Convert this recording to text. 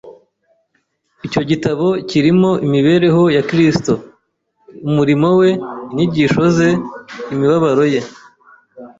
Icyo gitabo kirimo imibereho ya Kristo, umurimo we, inyigisho ze, imibabaro ye,